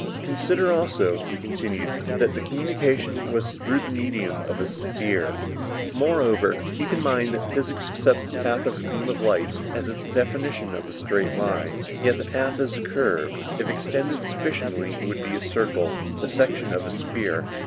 "Consider also," he continued, "that the communication was through the medium of a sphere. Moreover, keep in mind that physics accepts the path of a beam of light as its definition of a straight line. Yet, the path is a curve; if extended sufficiently it would be a circle, the section of a sphere."